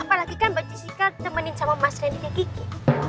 apalagi kan mbak jessica ditemenin sama mas rendy kiki